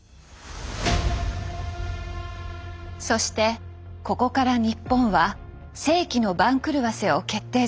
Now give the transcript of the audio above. そしてここから日本は世紀の番狂わせを決定づける